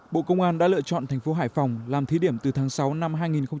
bộ công an đã lựa chọn thành phố hải phòng làm thí điểm từ tháng sáu năm hai nghìn hai mươi